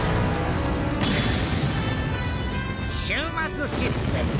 終末システム。